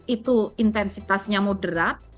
itu intensitasnya moderat